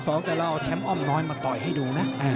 แต่เราเอาแชมป์อ้อมน้อยมาต่อยให้ดูนะ